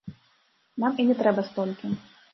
Нам і не трэба столькі.